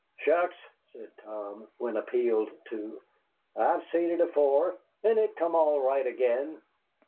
"Shucks!" said Tom, when appealed to, "I've seed it afore, and it come all right again."